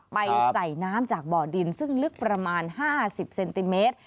ไปใส่น้ำจากบ่อดินซึ่งลึกประมาณ๕๐เซนติเมตร